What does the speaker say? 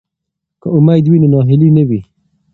که امید وي نو ناهیلي نه وي.